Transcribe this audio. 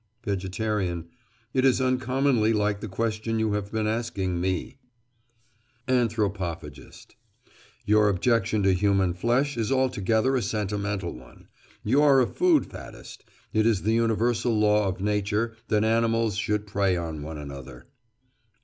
VEGETARIAN: It is uncommonly like the question you have been asking me! ANTHROPOPHAGIST: Your objection to human flesh is altogether a sentimental one. You are a food faddist. It is the universal law of nature that animals should prey on one another.